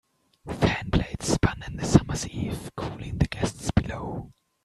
Fan blades spun in the summer's eve, cooling the guests below.